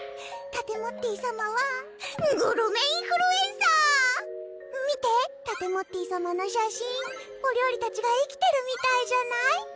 タテモッティさまはグルメインフルエンサー見てタテモッティさまの写真お料理たちが生きてるみたいじゃない？